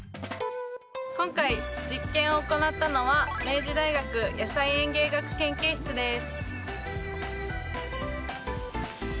今回実験を行ったのは明治大学野菜園芸学研究室です。